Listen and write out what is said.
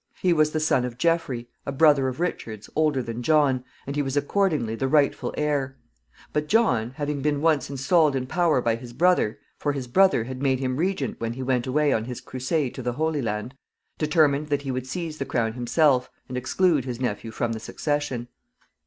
He was the son of Geoffrey, a brother of Richard's, older than John, and he was accordingly the rightful heir; but John, having been once installed in power by his brother for his brother had made him regent when he went away on his crusade to the Holy Land determined that he would seize the crown himself, and exclude his nephew from the succession.